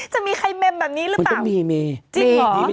จะมีใครเมมน์แบบนี้หรือเปล่าจริงอ๋อมี